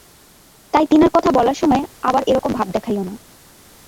তাই তিনার কথা বলার সময় আবার এরকম ভাব দেখাইও না।